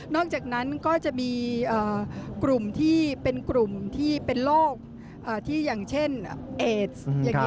นอกจากนั้นก็จะมีกลุ่มที่เป็นโรคที่อย่างเช่นเอดซ์